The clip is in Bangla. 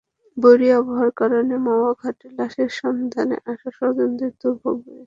বৈরী আবহাওয়ার কারণে মাওয়া ঘাটে লাশের সন্ধানে আসা স্বজনদের দুর্ভোগ বেড়েছে।